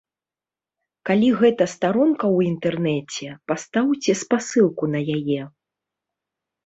Калі гэта старонка ў інтэрнэце, пастаўце спасылку на яе.